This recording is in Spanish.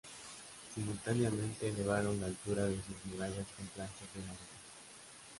Simultáneamente elevaron la altura de sus murallas con planchas de madera.